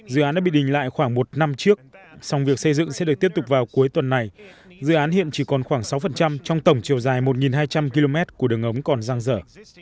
dự án đã bị đình lại khoảng một năm trước xong việc xây dựng sẽ được tiếp tục vào cuối tuần này dự án hiện chỉ còn khoảng sáu trong tổng chiều dài một hai trăm linh km của đường ống còn giang dở